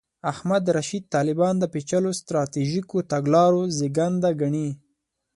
احمد رشید طالبان د پېچلو سټراټیژیکو تګلارو زېږنده ګڼي.